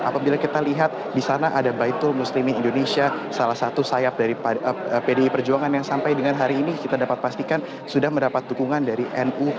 apabila kita lihat di sana ada baitul muslimin indonesia salah satu sayap dari pdi perjuangan yang sampai dengan hari ini kita dapat pastikan sudah mendapat dukungan dari nu